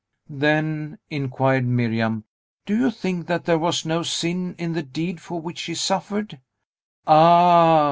"Then," inquired Miriam, "do you think that there was no sin in the deed for which she suffered?" "Ah!"